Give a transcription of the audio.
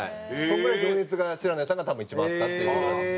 それぐらい情熱が白根さんが多分一番あったっていう事で。